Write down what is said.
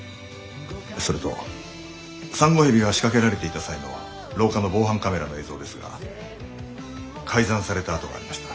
それとサンゴヘビが仕掛けられていた際の廊下の防犯カメラの映像ですが改ざんされた跡がありました。